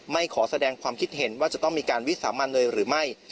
ขอแสดงความคิดเห็นว่าจะต้องมีการวิสามันเลยหรือไม่